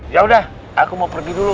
ya udah aku mau pergi dulu